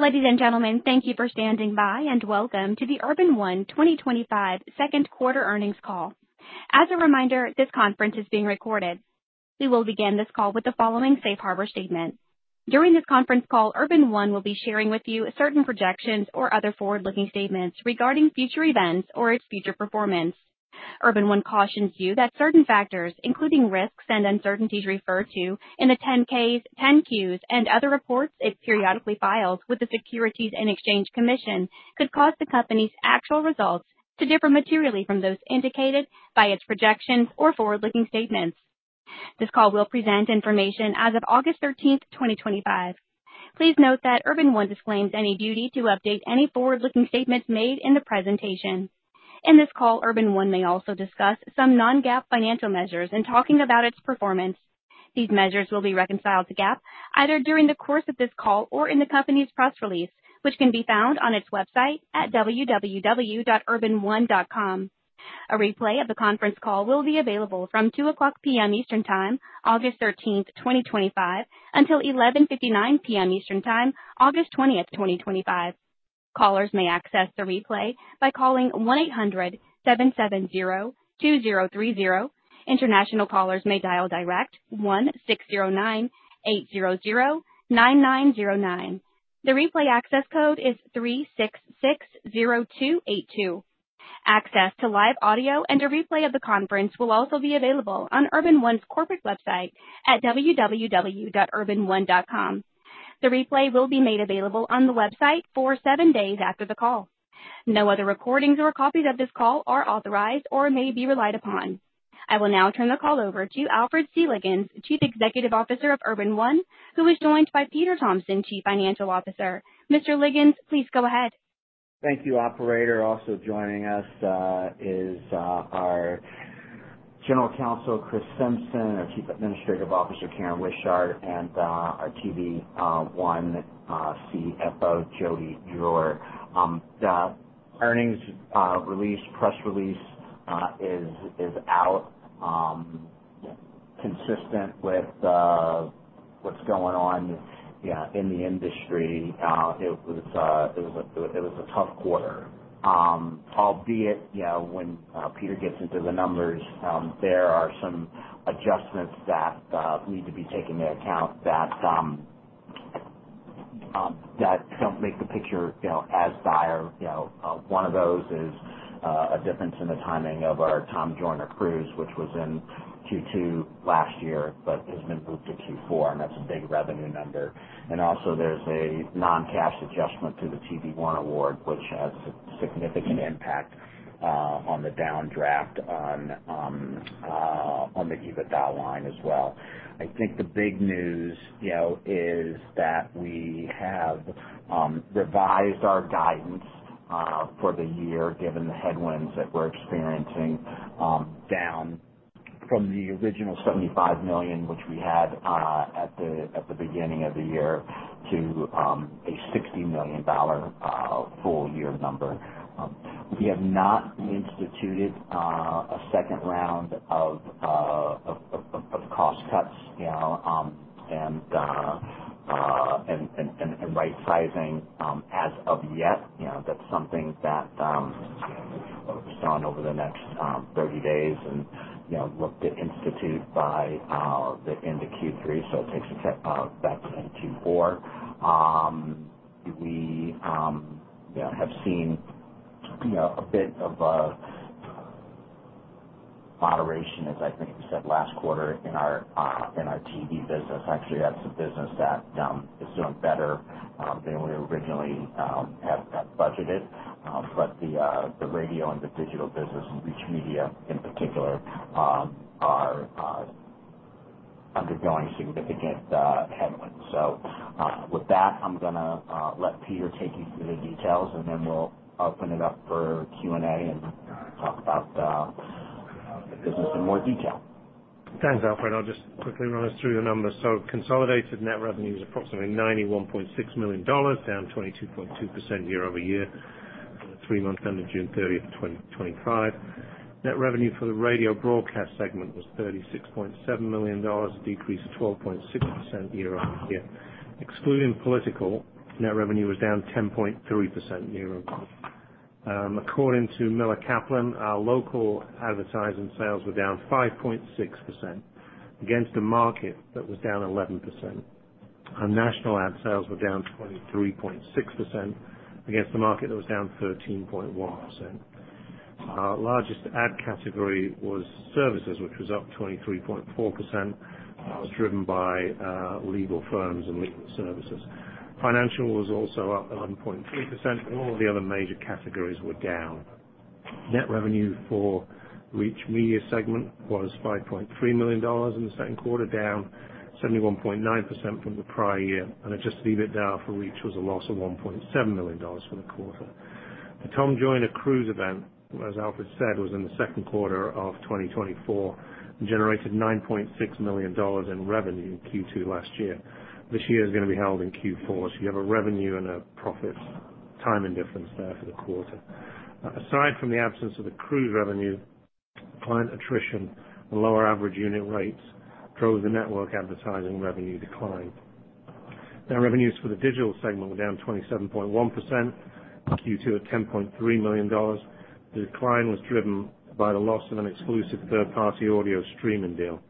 Ladies and gentlemen, thank you for standing by and welcome to the Urban One 2025 Second Quarter Earnings Call. As a reminder, this conference is being recorded. We will begin this call with the following safe harbor statement. During this conference call, Urban One will be sharing with you certain projections or other forward-looking statements regarding future events or its future performance. Urban One cautions you that certain factors, including risks and uncertainties referred to in the 10-Ks, 10-Qs, and other reports it periodically files with the Securities and Exchange Commission, could cause the company's actual results to differ materially from those indicated by its projections or forward-looking statements. This call will present information as of August 13th, 2025. Please note that Urban One disclaims any duty to update any forward-looking statements made in the presentation. In this call, Urban One may also discuss some non-GAAP financial measures in talking about its performance. These measures will be reconciled to GAAP either during the course of this call or in the company's press release, which can be found on its website at www.urbanone.com. A replay of the conference call will be available from 2:00 P.M. Eastern Time, August 13th, 2025, until 11:59 P.M. Eastern Time, August 20th, 2025. Callers may access the replay by calling one eight zero zero seven seven zero two zero three zeroi. International callers may dial direct one six zero nine eight zero zero nine nine zero nine. The replay access code is three six six zero two eight two. Access to live audio and a replay of the conference will also be available on Urban One's corporate website at www.urbanone.com. The replay will be made available on the website for seven days after the call. No other recordings or copies of this call are authorized or may be relied upon. I will now turn the call over to Alfred C. Liggins, Chief Executive Officer of Urban One, who is joined by Peter Thompson, Chief Financial Officer. Mr. Liggins, please go ahead. Thank you, Operator. Also joining us is our General Counsel Kris Simpson, our Chief Administrative Officer Karen Wishart, and our TV One CFO Jody Drewer. The earnings release press release is out. Consistent with what's going on in the industry, it was a tough quarter. Albeit, when Peter gets into the numbers, there are some adjustments that need to be taken into account that don't make the picture as dire. One of those is a difference in the timing of our Tom Joyner cruise, which was in Q2 last year but has been moved to Q4, and that's a big revenue number. Also, there's a non-cash adjustment to the TV One award, which has a significant impact on the downdraft on the EBITDA line as well. I think the big news is that we have revised our guidance for the year, given the headwinds that we're experiencing, down from the original $75 million, which we had at the beginning of the year, to a $60 million full-year number. We have not instituted a second round of cost cuts and right-sizing as of yet. That's something that we've done over the next 30 days and looked at instituted by the end of Q3. It takes a, that's Q4. We have seen a bit of moderation, as I think we said last quarter in our TV business. Actually, that's the business that is doing better than we originally had budgeted, but the radio and the digital business, and Reach Media in particular, are undergoing significant headwinds. With that, I'm going to let Peter take you through the details, and then we'll open it up for Q&A and talk about the business in more detail. Thanks, Alfred. I'll just quickly run us through your numbers. Consolidated net revenue is approximately $91.6 million, down 22.2% year-over-year, for the three months ended June 30th, 2025. Net revenue for the radio broadcast segment was $36.7 million, a decrease of 12.6% year-over-year. Excluding political, net revenue was down 10.3% year-over-year. According to Miller Kaplan, our local advertising sales were down 5.6% against a market that was down 11%. Our national ad sales were down 23.6% against a market that was down 13.1%. Our largest ad category was services, which was up 23.4%, driven by legal firms and legal services. Financial was also up 11.3%, and all of the other major categories were down. Net revenue for the Reach Media segment was $5.3 million in the second quarter, down 71.9% from the prior year. [Adjusted EBITDA], which was a loss of $1.7 million for the quarter. The Tom Joyner cruise event, as Alfred said, was in the second quarter of 2024 and generated $9.6 million in revenue in Q2 last year. This year it is going to be held in Q4. You have a revenue and a profit timing difference there for the quarter. Aside from the absence of cruise revenue, client attrition and lower average unit rates drove the network advertising revenue decline. Net revenues for the digital segment were down 27.1% to $10.3 million. The decline was driven by the loss of an exclusive third-party audio streaming deal,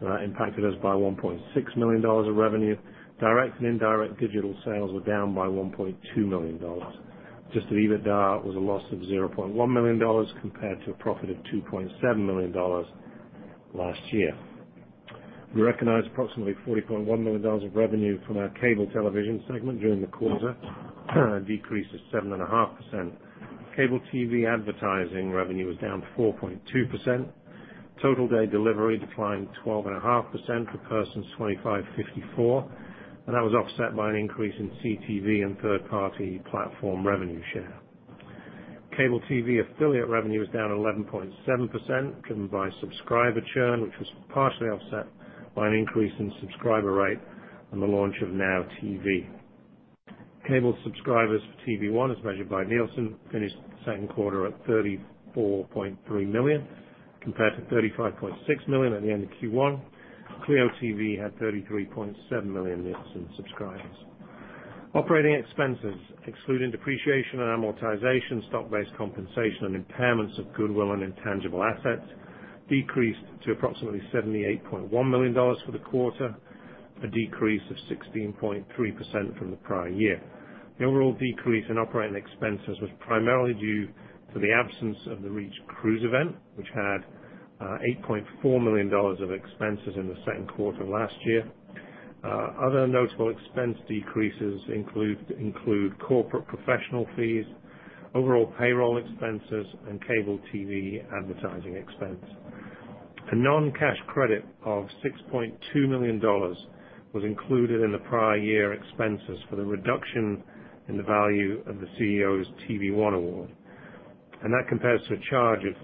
which impacted us by $1.6 million of revenue. Direct and indirect digital sales were down by $1.2 million. [Adjusted EBITDA] was a loss of $0.1 million compared to a profit of $2.7 million last year. We recognized approximately $40.1 million of revenue from our cable television segment during the quarter, a decrease of 7.5%. Cable TV advertising revenue was down 4.2%. Total day delivery declined 12.5% for persons 25-54, which was offset by an increase in CTV and third-party platform revenue share. Cable TV affiliate revenue was down 11.7%, driven by subscriber churn, which was partially offset by an increase in subscriber rate and the launch of Now TV. Cable subscribers for TV One, as measured by Nielsen, finished the second quarter at 34.3 million, compared to 35.6 million at the end of Q1. CLEO TV had 33.7 million subscribers. Operating expenses, excluding depreciation and amortization, stock-based compensation, and impairments of goodwill and intangible assets, decreased to approximately $78.1 million for the quarter, a decrease of 16.3% from the prior year. The overall decrease in operating expenses was primarily due to the absence of the Reach cruise event, which had $8.4 million of expenses in the second quarter of last year. Other notable expense decreases include corporate professional fees, overall payroll expenses, and cable TV advertising expense. A non-cash credit of $6.2 million was included in the prior year expenses for the reduction in the value of the CEO's TV One award. That compares to a charge of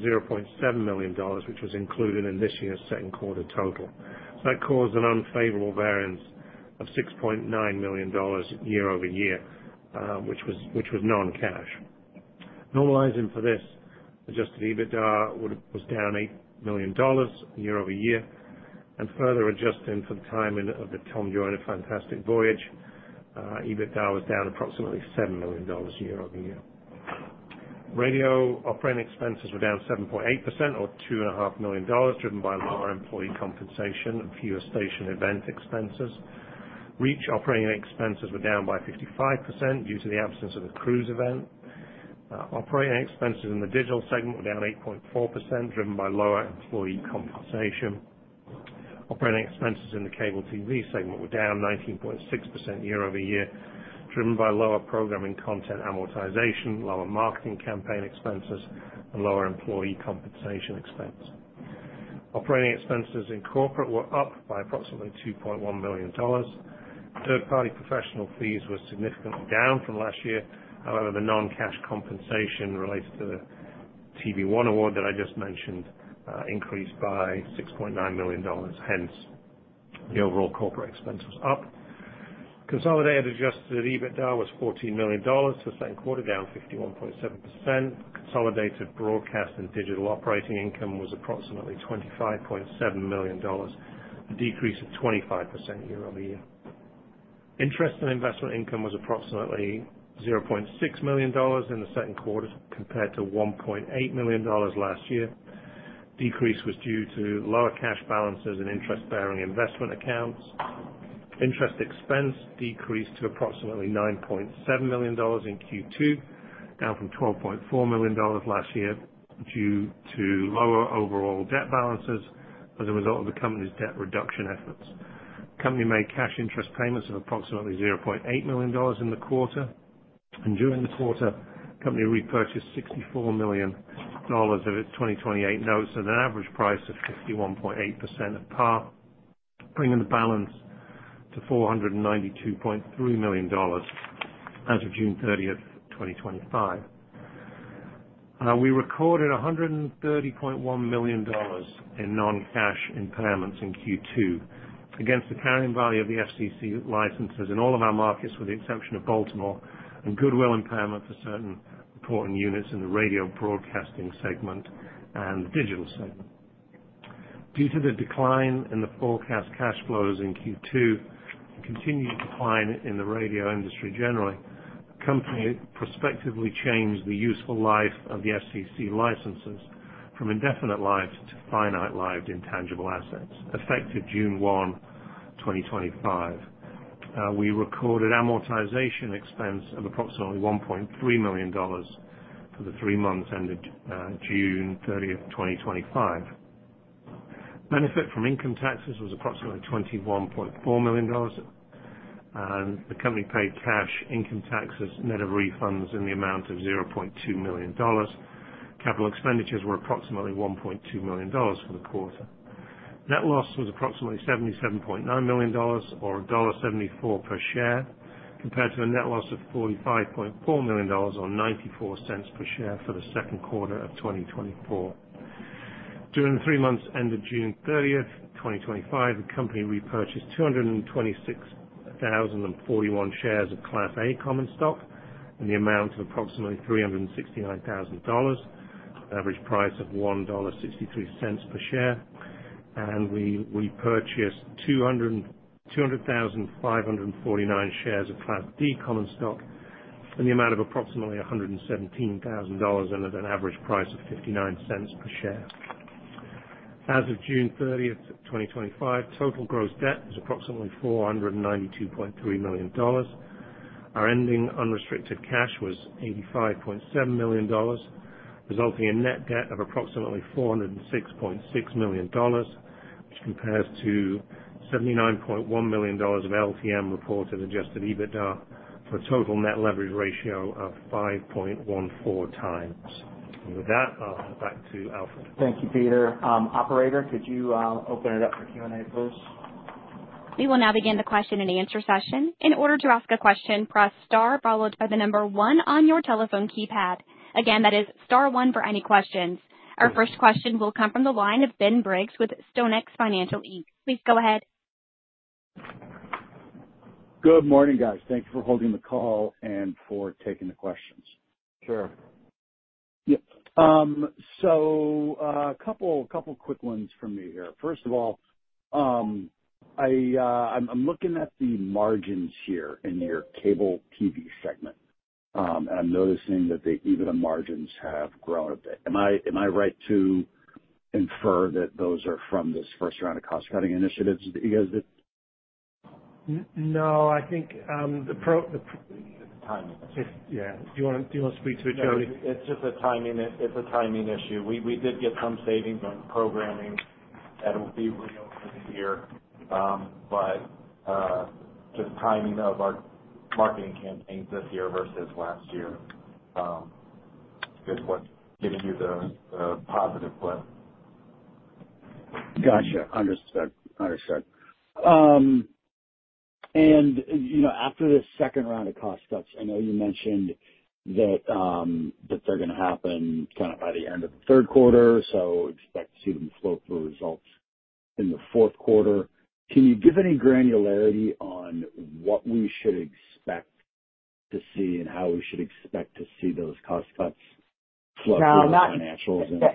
$0.7 million, which was included in this year's second quarter total. That caused an unfavorable variance of $6.9 million year-over-year, which was non-cash. Normalizing for this, adjusted EBITDA was down $8 million year-over-year. Further adjusting for the timing of the Tom Joyner Fantastic Voyage, EBITDA was down approximately $7 million year-over-year. Radio operating expenses were down 7.8% or $2.5 million, driven by lower employee compensation and fewer station event expenses. Reach operating expenses were down by 55% due to the absence of a cruise event. Operating expenses in the digital segment were down 8.4%, driven by lower employee compensation. Operating expenses in the cable TV segment were down 19.6% year-over-year, driven by lower programming content amortization, lower marketing campaign expenses, and lower employee compensation expense. Operating expenses in corporate were up by approximately $2.1 million. Third-party professional fees were significantly down from last year. However, the non-cash compensation related to the TV One award that I just mentioned increased by $6.9 million. Hence, the overall corporate expense was up. Consolidated adjusted EBITDA was $14 million for the second quarter, down 51.7%. Consolidated broadcast and digital operating income was approximately $25.7 million, a decrease of 25% year-over-year. Interest and investment income was approximately $0.6 million in the second quarter compared to $1.8 million last year. The decrease was due to lower cash balances and interest-bearing investment accounts. Interest expense decreased to approximately $9.7 million in Q2, down from $12.4 million last year, due to lower overall debt balances as a result of the company's debt reduction efforts. The company made cash interest payments of approximately $0.8 million in the quarter. During the quarter, the company repurchased $64 million of its 2028 Notes at an average price of 51.8% of par, bringing the balance to $492.3 million as of June 30th, 2025. We recorded $130.1 million in non-cash impairments in Q2 against the carrying value of the FCC licenses in all of our markets, with the exception of Baltimore, and goodwill impairment for certain reporting units in the radio broadcasting segment and the digital segment. Due to the decline in the forecast cash flows in Q2, it continued to decline in the radio industry generally. The company prospectively changed the useful life of the FCC licenses from indefinite lived to finite lived intangible assets, effective June 1, 2025. We recorded amortization expense of approximately $1.3 million for the three months ended June 30th, 2025. Benefit from income taxes was approximately $21.4 million. The company paid cash income taxes net of refunds in the amount of $0.2 million. Capital expenditures were approximately $1.2 million for the quarter. Net loss was approximately $77.9 million or $1.74 per share, compared to a net loss of $45.4 million or $0.94 per share for the second quarter of 2024. During the three months ended June 30th, 2025, the company repurchased 226,041 shares of Class A common stock in the amount of approximately $369,000, at an average price of $1.63 per share. We repurchased 200,549 shares of Class D common stock in the amount of approximately $117,000 at an average price of $0.59 per share. As of June 30th, 2025, total gross debt was approximately $492.3 million. Our ending unrestricted cash was $85.7 million, resulting in net debt of approximately $406.6 million, which compares to $79.1 million of LTM reported adjusted EBITDA for a total net leverage ratio of 5.14x. With that, I'll hand it back to Alfred. Thank you, Peter. Operator, could you open it up for Q&A, please? We will now begin the question and answer session. In order to ask a question, press star followed by the number one on your telephone keypad. Again, that is star one for any questions. Our first question will come from the line of Ben Briggs with StoneX Financial Inc. Please go ahead. Good morning, guys. Thank you for holding the call and for taking the questions. Sure. Yep. A couple of quick ones from me here. First of all, I'm looking at the margins here in your cable TV segment, and I'm noticing that the EBITDA margins have grown a bit. Am I right to infer that those are from this first round of cost-cutting initiatives? Is it? No, I think the. Yeah. Do you want to speak to it, Jody? It's just a timing issue. We did get some savings on programming. That'll be [revealed] this year, but the timing of our marketing campaign this year versus last year is what's giving you the positive blip. Gotcha. Understood. You know, after the second round of cost cuts, I know you mentioned that they're going to happen kind of by the end of the third quarter. Expect to see them flow through results in the fourth quarter. Can you give any granularity on what we should expect to see and how we should expect to see those cost cuts flow through the financials?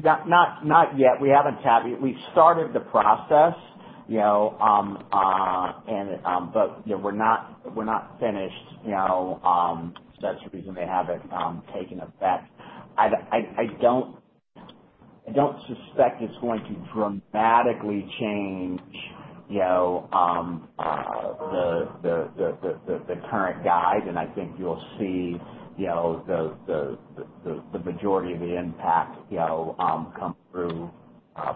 Not yet. We haven't tapped it. We've started the process, but we're not finished. That's the reason they haven't taken effect. I don't suspect it's going to dramatically change the current guide. I think you'll see the majority of the impact come through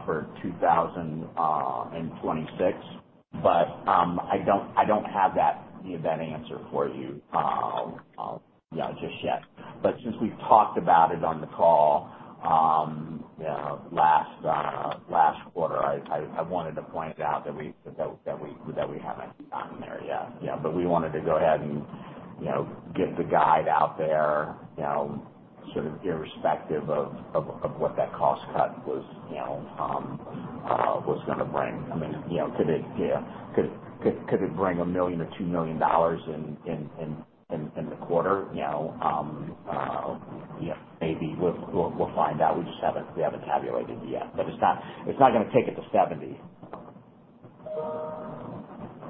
for 2026. I don't have that answer for you just yet. Since we've talked about it on the call last quarter, I wanted to point out that we haven't gotten there yet. We wanted to go ahead and get the guide out there, sort of irrespective of what that cost cut was going to bring. I mean, could it bring $1 million or $2 million in the quarter? Maybe, we'll find out. We just haven't tabulated yet. It's not going to take it to $70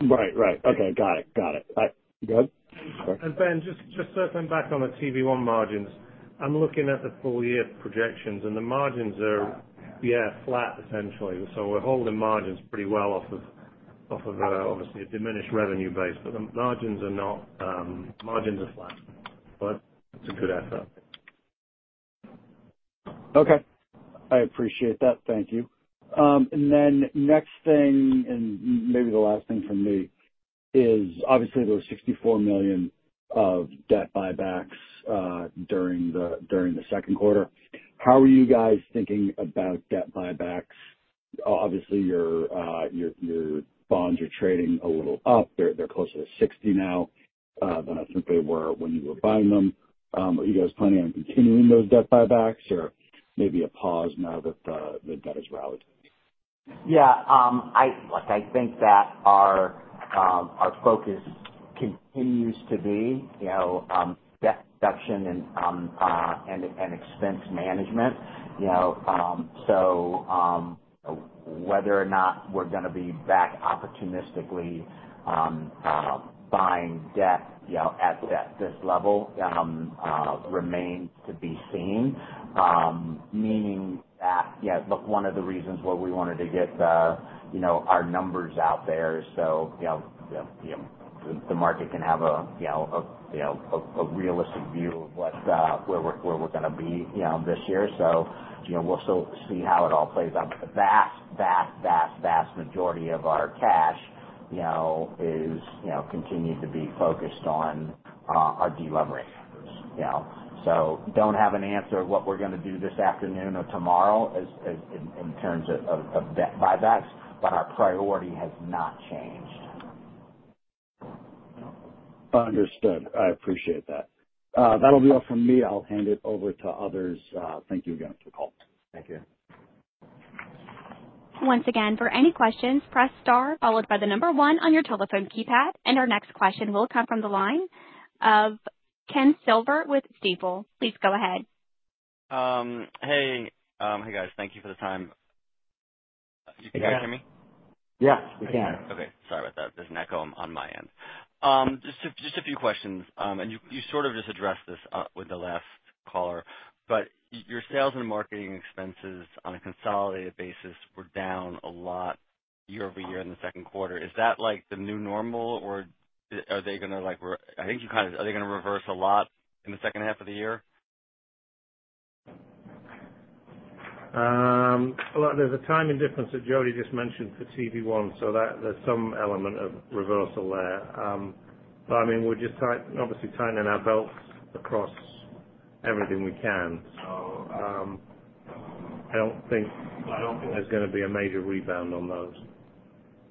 million. Right. Okay. Got it. All right. Go ahead. Sorry. Ben, just circling back on the TV One margins, I'm looking at the full-year projections, and the margins are, yeah, flat, essentially. We're holding margins pretty well off of, obviously, a diminished revenue base, but the margins are not, margins are flat. It's a good effort. Okay. I appreciate that. Thank you. The next thing, and maybe the last thing from me, is obviously those $64 million of debt buybacks during the second quarter. How are you guys thinking about debt buybacks? Obviously, your bonds are trading a little up. They're closer to 60 now than I think they were when you were buying them. Are you guys planning on continuing those debt buybacks or maybe a pause now that the debt is rallying? Yeah. I think that our focus continues to be debt reduction and expense management. Whether or not we're going to be back opportunistically buying debt at this level remains to be seen. One of the reasons why we wanted to get our numbers out there is so the market can have a realistic view of where we're going to be this year. We'll still see how it all plays out. The vast, vast, vast majority of our cash is continued to be focused on our delivery. I don't have an answer to what we're going to do this afternoon or tomorrow in terms of debt buybacks, but our priority has not changed. Understood. I appreciate that. That'll be all from me. I'll hand it over to others. Thank you again for the call. Thank you. Once again, for any questions, press star followed by the number one on your telephone keypad. Our next question will come from the line of Ken Silver with Stifel. Please go ahead. Hey, guys. Thank you for the time. Can you guys hear me? Yes, we can. Okay. Sorry about that. There's an echo on my end. Just a few questions. You sort of just addressed this with the last caller, but your sales and marketing expenses on a consolidated basis were down a lot year-over-year in the second quarter. Is that like the new normal, or are they going to, like I think you kind of, are they going to reverse a lot in the second half of the year? There is a timing difference that Jody just mentioned for TV One, so that there's some element of reversal there. I mean, we're just obviously tightening our belts across everything we can. I don't think there's going to be a major rebound on those.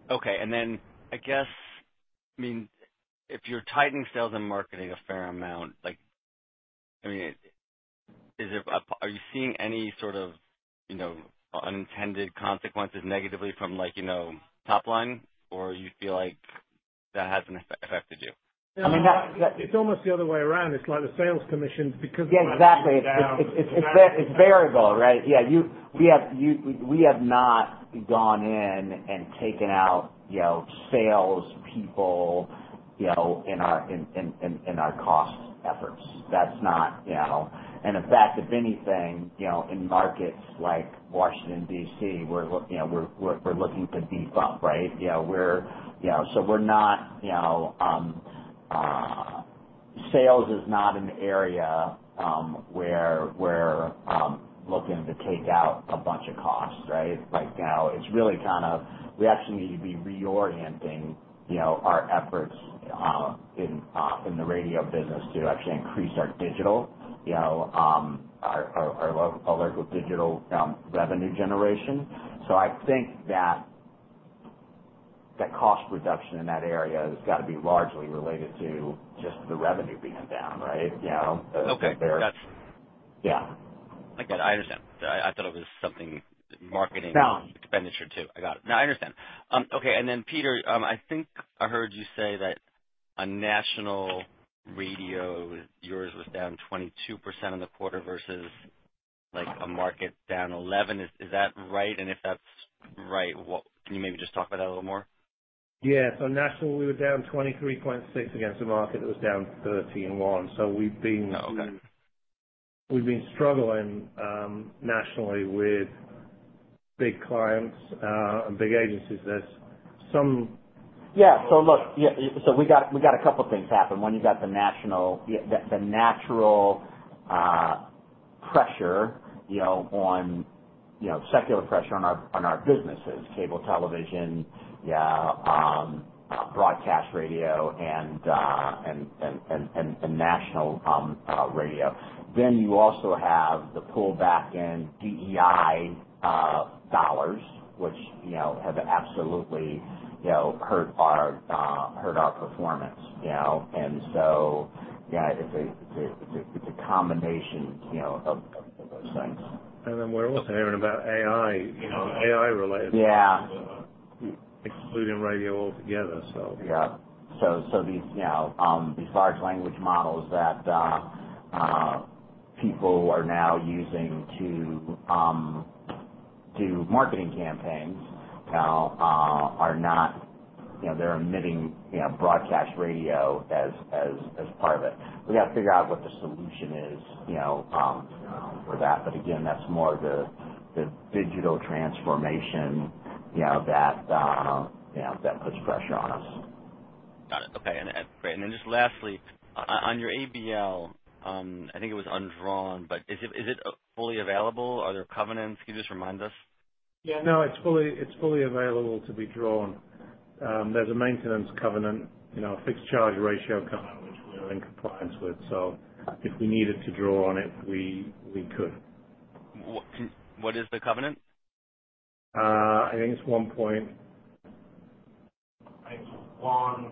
Okay. If you're tightening sales and marketing a fair amount, is it, are you seeing any sort of unintended consequences negatively from top line, or do you feel like that hasn't affected you? Yeah, I mean, it's almost the other way around. It's like the sales commission, because. Yeah, exactly. It's variable, right? We have not gone in and taken out, you know, salespeople in our cost effort. That's not, you know, and in fact, if anything, in markets like Washington, D.C., where we're looking to deep up, right? We're not, you know, sales is not an area where we're looking to take out a bunch of costs, right? Now it's really kind of, we actually need to be reorienting our efforts in the radio business to actually increase our digital, our local digital revenue generation. I think that that cost reduction in that area has got to be largely related to just the revenue being down, right? You know, okay. Yeah, I get it. I understand. I thought it was something marketing expenditure too. I got it. No, I understand. Okay. Peter, I think I heard you say that national radio was down 22% in the quarter versus like a market down 11%. Is that right? If that's right, can you maybe just talk about that a little more? Yeah. Nationally, we were down 23.6% against a market that was down 31%. We've been struggling nationally with big clients and big agencies. There's some. Yeah. We got a couple of things happen. One, you got the natural pressure, you know, secular pressure on our businesses, cable television, broadcast radio, and national radio. You also have the pullback in DEI dollars, which have absolutely, you know, hurt our performance. It's a combination, you know, of those things. We're also hearing about AI, you know, AI-related, excluding radio altogether. Yeah. These large language models that people are now using to do marketing campaigns are not, you know, they're omitting broadcast radio as part of it. We got to figure out what the solution is for that. Again, that's more of the digital transformation that puts pressure on us. Got it. Okay, great. Lastly, on your ABL, I think it was undrawn, but is it fully available? Are there covenants? Can you just remind us? Yeah. No, it's fully available to be drawn. There's a maintenance covenant, you know, a fixed charge ratio covenant, which we're in compliance with. If we needed to draw on it, we could. What is the covenant? I think it's one point, I think it's one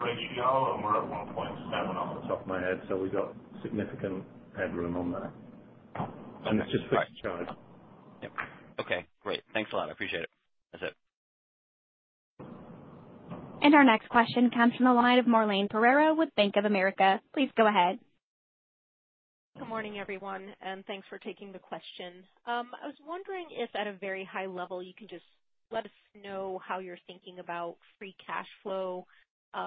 ratio, and we're at one point. I don't know off the top of my head. We got significant headroom on that, and it's just [flat] charge. Okay. Great. Thanks a lot. I appreciate it. That's it. Our next question comes from the line of [Marlene] Pereira with Bank of America. Please go ahead. Good morning, everyone. Thanks for taking the question. I was wondering if at a very high level, you can just let us know how you're thinking about free cash flow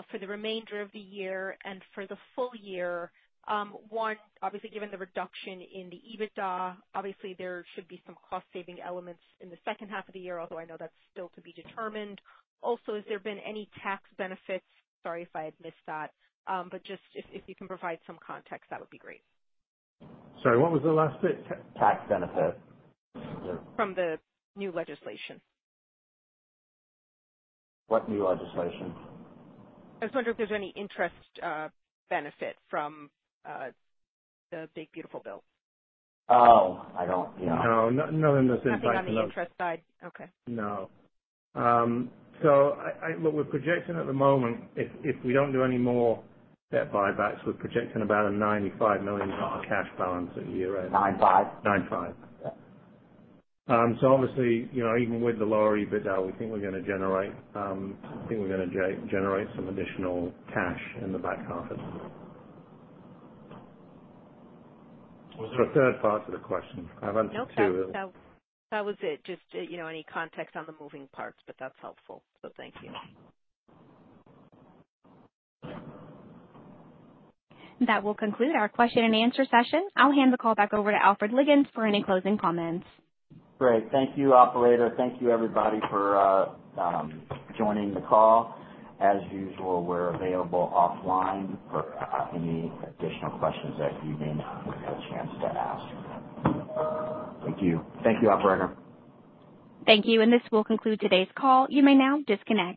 for the remainder of the year and for the full year. Obviously, given the reduction in the EBITDA, there should be some cost-saving elements in the second half of the year, although I know that still could be determined. Also, has there been any tax benefits? Sorry if I had missed that, but just if you can provide some context, that would be great. Sorry, what was the last bit? Tax benefit. From the new legislation. What new legislation? I was wondering if there's any interest or benefit from the Big Beautiful Bill. Oh, I don't. Yeah. No, nothing that's impacting. Nothing on the interest side? Okay. No, look, we're projecting at the moment, if we don't do any more debt buybacks, we're projecting about a $95 million cash balance a year, right? Nine-five? Nine-five. Obviously, even with the lower EBITDA, we think we're going to generate something, we're going to generate some additional cash in the back pocket. Was there a third part to the question? I went to. Nope. That was it. Just, you know, any context on the moving parts, but that's helpful. Thank you. That will conclude our question and answer session. I'll hand the call back over to Alfred Liggins for any closing comments. Great. Thank you, Operator. Thank you, everybody, for joining the call. As usual, we're available offline for any additional questions that you may not have had a chance to ask. Thank you. Thank you, Operator. Thank you. This will conclude today's call. You may now disconnect.